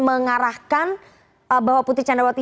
mengarahkan bahwa putri candawati